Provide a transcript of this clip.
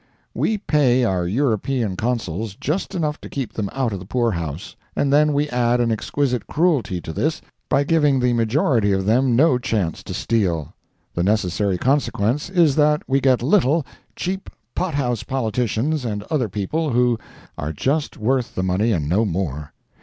We pay our European Consuls just enough to keep them out of the poorhouse, and then we add an exquisite cruelty to this by giving the majority of them no chance to steal. The necessary consequence is that we get little, cheap pot house politicians and other people who—are just worth the money, and no more.